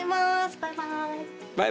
バイバーイ。